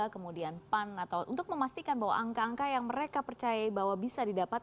kemudian pan atau untuk memastikan bahwa angka angka yang mereka percaya bahwa bisa didapat